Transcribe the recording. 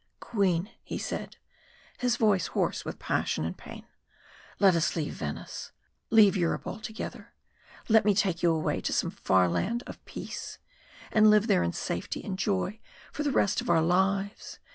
"Queen," he said, his voice hoarse with passion and pain, "let us leave Venice leave Europe altogether let me take you away to some far land of peace, and live there in safety and joy for the rest of our lives.